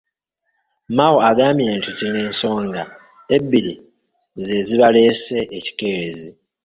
Mao agambye nti zino ensonga ebbiri ze zibaleese ekikeerezi.